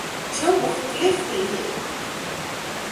جو مختلف بھی ہیں